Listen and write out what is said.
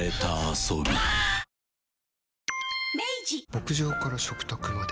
牧場から食卓まで。